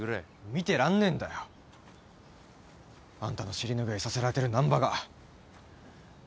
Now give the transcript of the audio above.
見てらんねえんだよ。あんたの尻拭いさせられてる難破が。